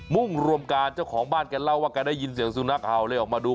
มุ่งรวมการเจ้าของบ้านกันเล่าว่ากันได้ยินเสียงสู่หน้าข่าวเลยออกมาดู